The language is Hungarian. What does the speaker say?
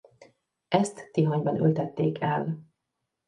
Ezt Tihanyban ültették el.